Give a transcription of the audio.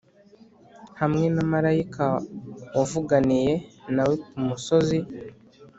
hamwe na marayika wavuganiye na we ku musozi